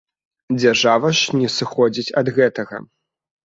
Дзяржава ж не сыходзіць ад гэтага.